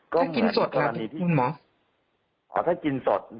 ถ้ากินสดครับที่คุณหมอ